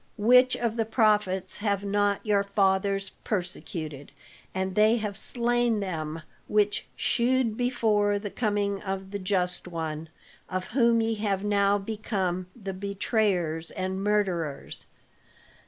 Which of the prophets have not your fathers persecuted? And they have slain them which shewed before the coming of the Just One; of whom ye have now become the betrayers and murderers!"